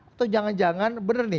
atau jangan jangan bener nih